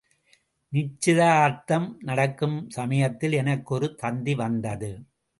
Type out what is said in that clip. நிச்சயதார்த்தம் நடக்கும் சமயத்தில் எனக்கு ஒரு தந்தி வந்தது.